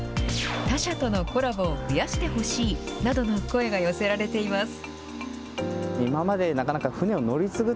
他社とのコラボを増やしてほしいなどの声が寄せられています。